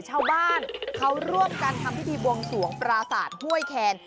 ชาวบ้านเขาร่วมกันทำพิธีบวงสวงปราศาสตร์ห้วยแคน